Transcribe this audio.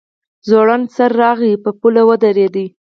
ځوړند سر راغی په پوله ودرېد.